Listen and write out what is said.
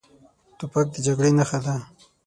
توپک د جګړې نښه ده.